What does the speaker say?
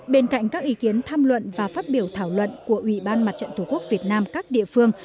bên cạnh các ý kiến tham luận và phát biểu thảo luận của ủy ban mặt trận tổ quốc việt nam các địa phương